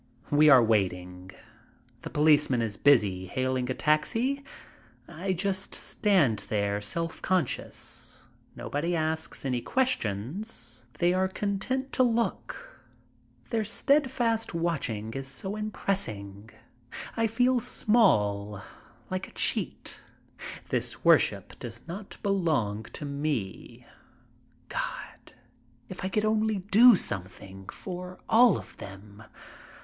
We are waiting. The policeman is busy hailing a taxi. I just stand there self conscious. Nobody asks any ques tions. They are content to look. Their steadfast watching 6o MY TRIP ABROAD is so impressing. I feel small — like a cheat. This worship does not belong to me. God, if I could only do something for all of them